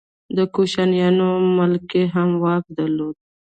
د کوشانیانو ملکې هم واک درلود